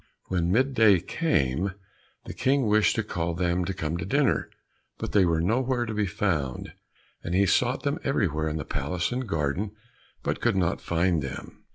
When mid day came, the King wished to call them to come to dinner, but they were nowhere to be found. He sought them everywhere in the palace and garden, but could not find them.